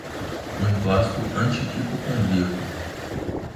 um emplastro anti-hipocondríaco